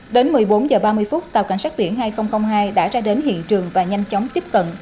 đến một mươi bốn h ba mươi phút tàu cảnh sát biển hai nghìn hai đã ra đến hiện trường và nhanh chóng tiếp cận